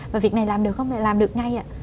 và việc này làm được không làm được ngay ạ